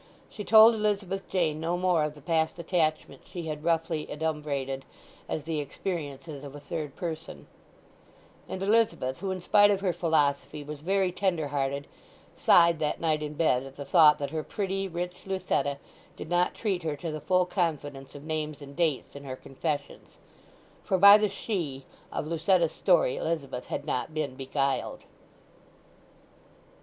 She told Elizabeth Jane no more of the past attachment she had roughly adumbrated as the experiences of a third person; and Elizabeth, who in spite of her philosophy was very tender hearted, sighed that night in bed at the thought that her pretty, rich Lucetta did not treat her to the full confidence of names and dates in her confessions. For by the "she" of Lucetta's story Elizabeth had not been beguiled.